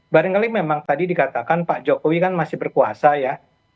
barangkali memang tadi dikatakan pak jokowi kan masih berkuasa ya